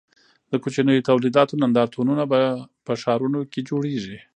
د کوچنیو تولیداتو نندارتونونه په ښارونو کې جوړیږي.